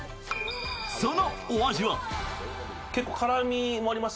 そのお味は？